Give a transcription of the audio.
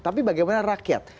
tapi bagaimana rakyat